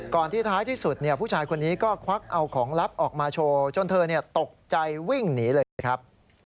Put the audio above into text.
ที่ท้ายที่สุดผู้ชายคนนี้ก็ควักเอาของลับออกมาโชว์จนเธอตกใจวิ่งหนีเลยครับ